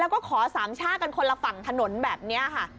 แล้วก็ขอสามชาติกันคนละฝั่งถนนแบบนี้ค่ะ